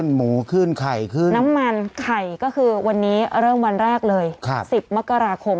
หมูขึ้นไข่ขึ้นน้ำมันไข่ก็คือวันนี้เริ่มวันแรกเลยครับสิบมกราคม